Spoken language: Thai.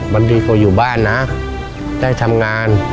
บางทีก็อยู่บ้านนะได้ทำงาน